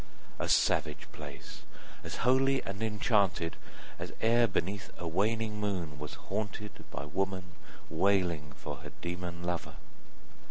A savage place! as holy and enchanted As e'er beneath a waning moon was haunted 15 By woman wailing for her demon lover!